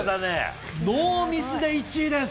ノーミスで１位です。